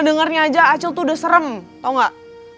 nih aja acil tuh udah serem tau gak